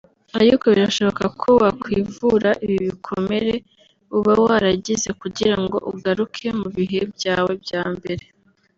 " Ariko birashoboka ko wakwivura ibi bikomere uba waragize kugirango ugaruke mu bihe byawe bya mbere